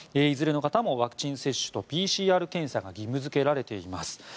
いずれの方もワクチン接種とＰＣＲ検査が義務付けられています。